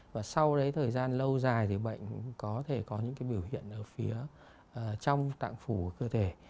và sau đấy thời gian lâu dài thì bệnh có thể có những cái biểu hiện ở phía trong tạng phủ ở cơ thể